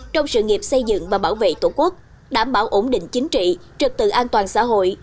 trong sự nghiệp xây dựng và bảo vệ tổ quốc đảm bảo ổn định chính trị trực tự an toàn xã hội